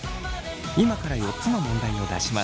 今から４つの問題を出します。